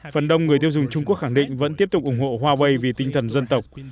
phần đông người tiêu dùng trung quốc khẳng định vẫn tiếp tục ủng hộ huawei vì tinh thần dân tộc